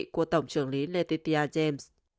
của tổng trưởng lý letitia james